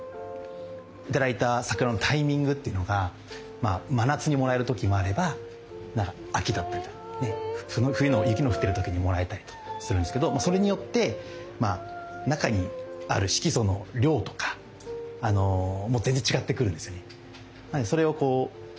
頂いた桜のタイミングっていうのが真夏にもらえる時もあれば秋だったりとかね冬の雪の降ってる時にもらえたりとするんですけどそれによって中にある色素の量とかもう全然違ってくるんですよね。